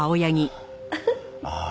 ああ。